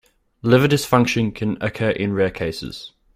Liver dysfunction can occur in rare cases.